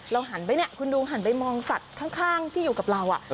หันไปเนี่ยคุณดูหันไปมองสัตว์ข้างที่อยู่กับเรา